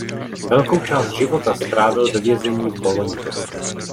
Velkou část života strávil ve vězení v Bologni.